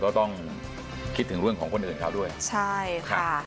ก็ต้องคิดถึงเรื่องของคนอื่นเขาด้วยใช่ค่ะ